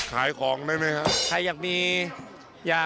ขายของได้ไหมครับ